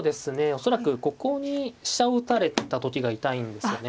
恐らくここに飛車を打たれた時が痛いんですよね。